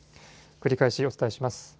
繰り返しお伝えします。